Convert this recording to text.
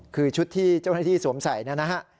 คือชุดที่เจ้าหน้าที่สวมใส่นะฮะ